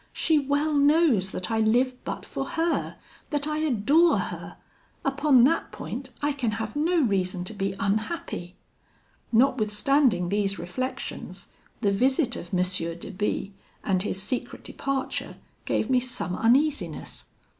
She well knows that I live but for her; that I adore her: upon that point I can have no reason to be unhappy.' "Notwithstanding these reflections, the visit of M. de B , and his secret departure, gave me some uneasiness.